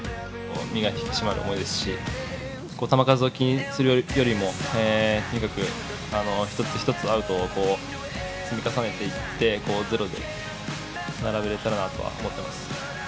身が引き締まる思いですし球数を気にするよりもとにかく一つ一つアウトを積み重ねていってゼロで並べられたらなと思っています。